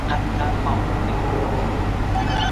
سرپل د تېلو کانونه لري.